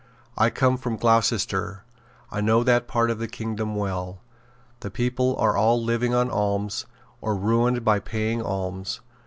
I come from Gloucestershire. I know that part of the kingdom well. The people are all living on alms, or ruined by paying alms.